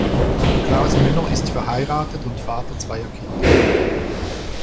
Klaus Müller ist verheiratet und Vater zweier Kinder.